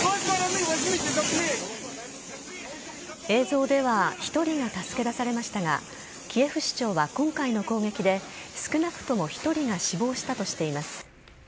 映像では１人が助け出されましたが、キエフ市長は今回の攻撃で、少なくとも１人が死亡したとしています。